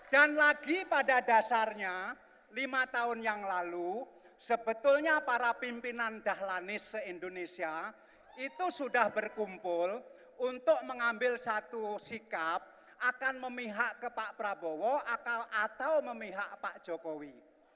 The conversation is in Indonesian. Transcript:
dan lagi pada dasarnya lima tahun yang lalu sebetulnya para pimpinan dahlanis se indonesia itu sudah berkumpul untuk mengambil satu sikap akan memihak ke pak prabowo atau memihak pak jokowi